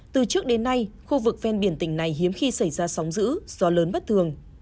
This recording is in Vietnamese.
từ trước đến nay khu vực ven biển tỉnh này hiếm khi xảy ra sóng giữ do lớn bất thường